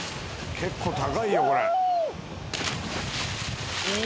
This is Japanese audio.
結構高いよこれフォー！